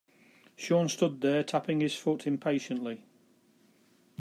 Sean stood there tapping his foot impatiently.